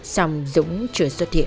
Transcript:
xong dũng chưa xuất hiện